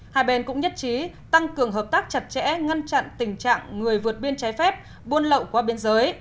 hai bên cũng nhất trí tăng cường hợp tác chặt chẽ ngăn chặn tình trạng người vượt biên trái phép buôn lậu qua biên giới